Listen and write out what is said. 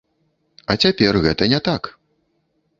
А цяпер гэта не так.